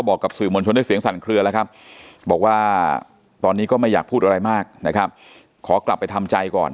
บอกว่าตอนนี้ก็ไม่อยากพูดอะไรมากขอกลับไปทำใจก่อน